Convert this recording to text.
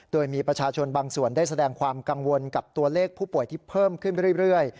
โดยมีประชาชนบางส่วนได้แสดงความกังวลกับตัวเลขผู้ป่วยที่เพิ่มขึ้นไปเรื่อย